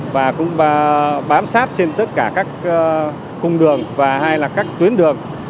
và cũng bám sát trên tất cả các cung đường và hai là các tuyến đường